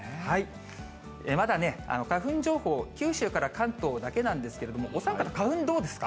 まだね、花粉情報、九州から関東だけなんですけれども、お三方、花粉どうですか。